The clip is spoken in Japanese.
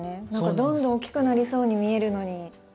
どんどん大きくなりそうに見えるのに。